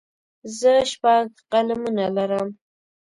زه شپږ قلمونه لرم.